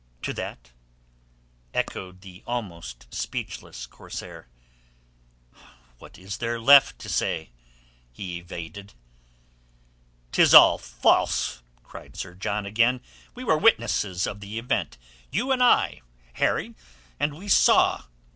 "To that?" echoed the almost speechless corsair. "What is there left to say?" he evaded. "'Tis all false," cried Sir John again. "We were witnesses of the event—you and I, Harry—and we saw...."